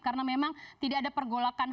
karena memang tidak ada pergolakan